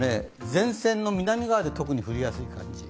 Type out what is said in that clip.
前線の南側で特に降りやすいという感じ。